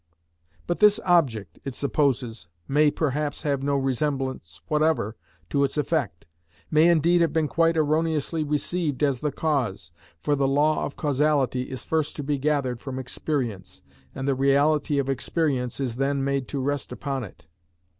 But this object, it supposes, may perhaps have no resemblance whatever to its effect, may indeed have been quite erroneously received as the cause, for the law of causality is first to be gathered from experience, and the reality of experience is then made to rest upon it.